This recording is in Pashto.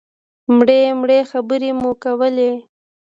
مړې مړې خبرې مو کولې.